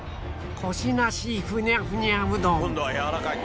コシなしふにゃふにゃうどん